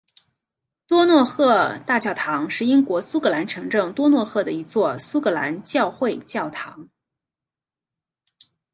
多诺赫大教堂是英国苏格兰城镇多诺赫的一座苏格兰教会教堂。